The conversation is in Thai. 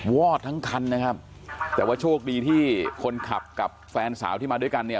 วอดทั้งคันนะครับแต่ว่าโชคดีที่คนขับกับแฟนสาวที่มาด้วยกันเนี่ย